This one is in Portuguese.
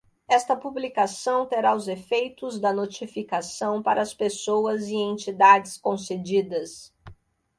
Esta publicação terá os efeitos da notificação para as pessoas e entidades concedidas.